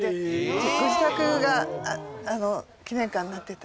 ご自宅が記念館になってたっていう。